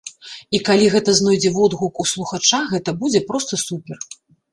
І калі гэта знойдзе водгук у слухача, гэта будзе проста супер.